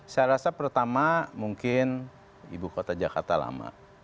saya rasa pertama mungkin ibu kota jakarta lama